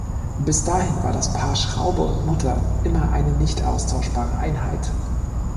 Bis dahin war das Paar Schraube und Mutter immer eine nicht austauschbare Einheit.